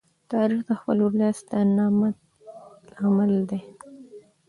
تاریخ د خپل ولس د نامت لامل دی.